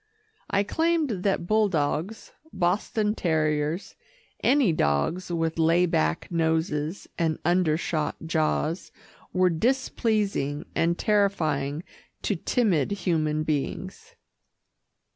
I claimed that bulldogs, Boston terriers, any dogs with lay back noses and undershot jaws, were displeasing and terrifying to timid human beings.